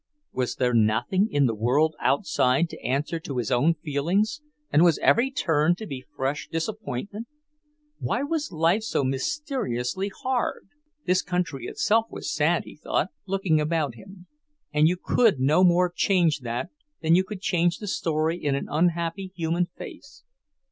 Was there nothing in the world outside to answer to his own feelings, and was every turn to be fresh disappointment? Why was life so mysteriously hard? This country itself was sad, he thought, looking about him, and you could no more change that than you could change the story in an unhappy human face.